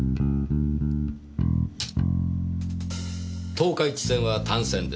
十日市線は単線です。